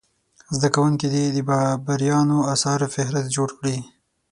زده کوونکي دې د بابریانو اثارو فهرست جوړ کړي.